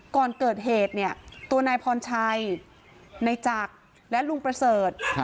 ก่อนเกิดเหตุเนี่ยตัวนายพรชัยนายจักรและลุงประเสริฐ